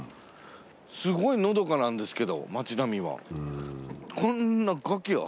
すごいのどかなんですけど町並みは。